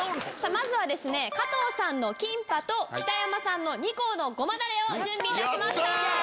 まずは加藤さんのキンパと北山さんの二幸のごまだれを準備いたしました。